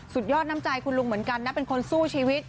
สุดยอดน้ำใจคุณลุงเหมือนกันนะเป็นคนสู้ชีวิต